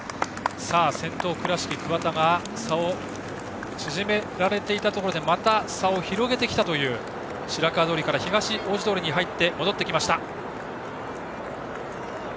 さあ先頭、倉敷の桑田が差を縮められていたところでまた差を広げてきたという白川通から東大路通に入って戻ってきました。